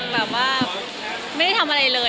ไม่ได้ทำไม่ได้ทำอะไร๒๐๐๋ว